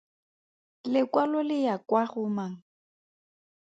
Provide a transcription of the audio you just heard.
Lekwalo le ya kwa go mang?